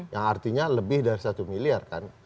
yang artinya lebih dari satu miliar kan